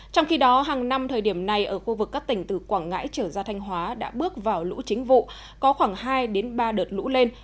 trong khi đó hàng năm thời điểm này ở khu vực các tỉnh từ quảng ngãi trở ra thanh hóa đã bước vào lũ chính vụ có khoảng hai ba đợt lũ lên